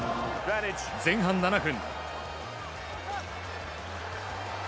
前半７分。